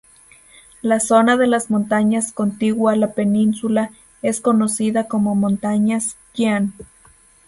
La zona de las montañas contigua a la península es conocida como montañas Qian.